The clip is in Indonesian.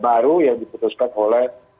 baru yang diputuskan oleh